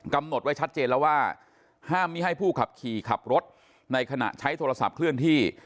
กำหนดไว้ชัดเจนแล้วว่าห้ามมีให้ผู้ขับขี่ขับรถในขณะใช้โทรศัพท์เคลื่อนที่